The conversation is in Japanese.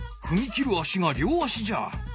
ふみ切る足が両足じゃ。